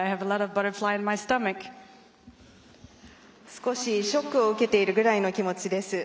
少しショックを受けているぐらいの気持ちです。